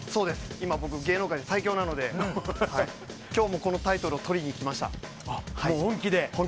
今、僕、芸能界で最強なので今日もこのタイトルをとりにきました。